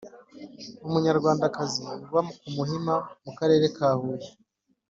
Umunyarwandakazi uba ku Muhima Akarere ka huye